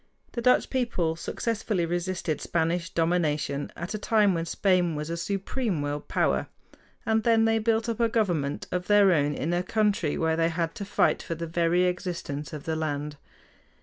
The Dutch people successfully resisted Spanish domination at a time when Spain was a supreme world power, and then they built up a government of their own in a country where they had to fight for the very existence of the land.